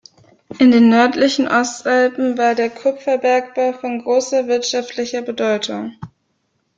In den nördlichen Ostalpen war der Kupferbergbau von großer wirtschaftlicher Bedeutung.